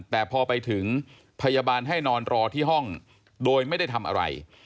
แต่พอไปถึงพยาบาลให้นอนรอที่ห้องโดยไม่ได้ทำอะไร